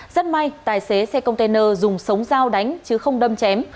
rất may tài xế xe container dùng sống dao đánh chứ không đâm chém